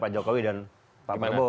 pak jokowi dan pak prabowo